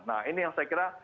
nah ini yang saya kira